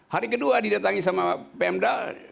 hari kedua didatangi sama pemda